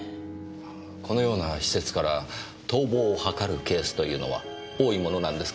このような施設から逃亡を図るケースというのは多いものなんですか？